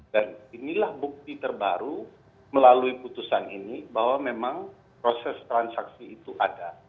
dan inilah bukti terbaru melalui putusan ini bahwa memang proses transaksi itu ada